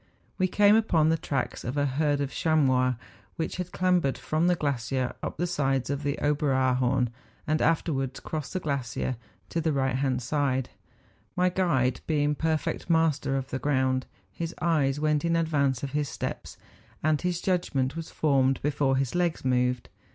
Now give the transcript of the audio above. We came upon the E 5C MOUNTAIN ADVENTURES. tracks of a herd of chamois, which had clambered from the glacier up the sides of the Oberaarhorn, and afterwards crossed the glacier to the right hand side, my guide being perfect master of the ground. His eyes went in advance of his steps ; and his judgment was formed before his legs moved.